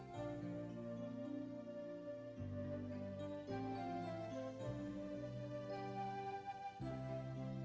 tidak ada yang lebih yakin mendapat hadiah daripada kami